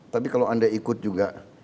tapi kalau anda ikut juga